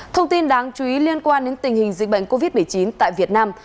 thông tin đáng chú ý liên quan đến tình hình dịch bệnh covid một mươi chín tại việt nam